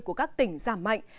của các tỉnh giảm mạnh